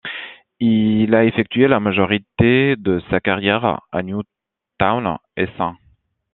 Il a effectué la majorité de sa carrière à Newtown et St.